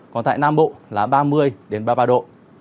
còn tại nam bộ là ba mươi ba mươi ba độ